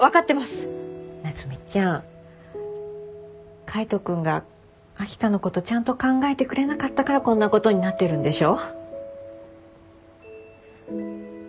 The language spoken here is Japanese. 夏海ちゃん海斗君が秋香のことちゃんと考えてくれなかったからこんなことになってるんでしょ？